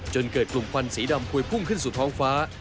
จนเกิดกลุ่มควันสีดำพวยพุ่งขึ้นสู่ท้องฟ้า